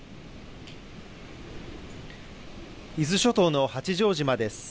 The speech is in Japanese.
伊豆諸島の八丈島です。